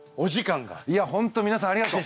いや本当みなさんありがとう。